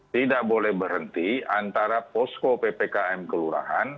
tidak boleh berhenti antara posko ppkm kelurahan